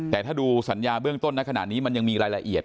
แต่ถ้าดูสัญญาเบื้องต้นในขณะนี้มันยังมีรายละเอียด